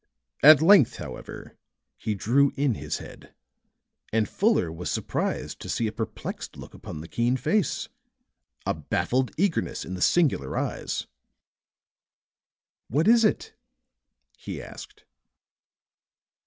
At length, however, he drew in his head, and Fuller was surprised to see a perplexed look upon the keen face, a baffled eagerness in the singular eyes. "What is it?" he asked.